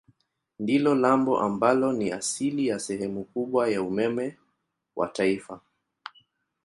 Ndilo lambo ambalo ni asili ya sehemu kubwa ya umeme wa taifa.